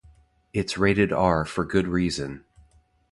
It's rated R for good reason.